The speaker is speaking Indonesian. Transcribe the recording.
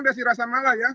tolong kita teraturkan